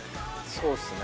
そうっすね。